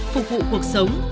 phục vụ cuộc sống